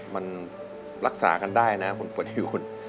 มันรักษากันได้นะคนปวดหยุด